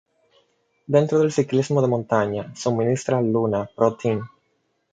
Dentro del ciclismo de montaña suministra al Luna Pro Team.